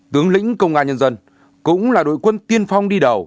tướng lĩnh công an nhân dân cũng là đội quân tiên phong đi đầu